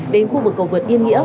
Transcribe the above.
đến khu vực cầu vượt yên nghĩa